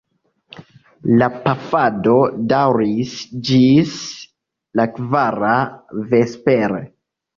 La pafado daŭris ĝis la kvara vespere.